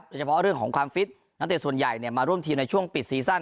โดยเฉพาะเรื่องของความฟิตนักเตะส่วนใหญ่มาร่วมทีมในช่วงปิดซีซั่น